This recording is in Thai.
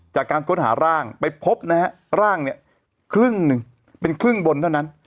จากการค้นหาร่างไปพบนะฮะร่างเนี่ยครึ่งหนึ่งเป็นครึ่งบนเท่านั้น